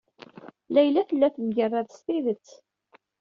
Layla tella temgerrad s tidet.